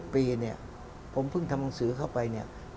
๒๑ปีเนี่ยผมเพิ่งทำภาษาภาษาเข้าไป